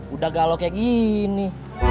udah galok kayak gini